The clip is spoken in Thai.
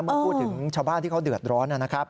เมื่อพูดถึงชาวบ้านที่เขาเดือดร้อนนะครับ